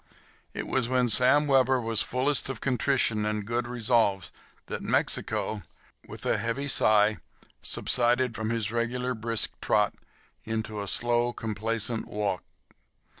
It was when Sam Webber was fullest of contrition and good resolves that Mexico, with a heavy sigh, subsided from his regular, brisk trot into a slow complacent walk.